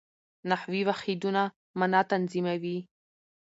نحوي واحدونه مانا تنظیموي.